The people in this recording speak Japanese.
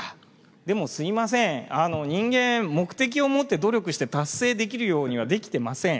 でもすいません人間目的を持って努力して達成できるようにはできてません。